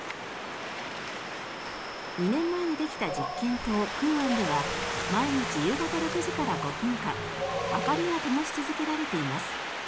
２年前にできた実験棟、空庵では毎日夕方６時から５分間明かりがともし続けられています。